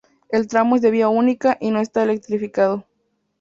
El tramo es de vía única y no está electrificado.